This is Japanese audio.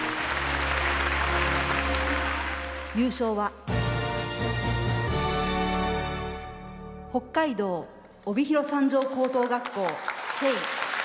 優勝は北海道帯広三条高等学校「Ｓａｙ」。